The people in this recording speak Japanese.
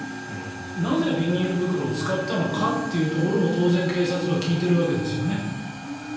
なぜ、ビニール袋を使ったのかというところも当然、警察は聞いているわけですよね。